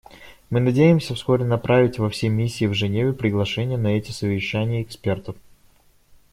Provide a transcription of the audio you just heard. Мы надеемся вскоре направить во все миссии в Женеве приглашение на эти совещания экспертов.